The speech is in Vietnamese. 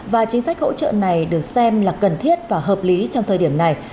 và chính sách hỗ trợ này được xem là cần thiết và hợp lý trong thời điểm này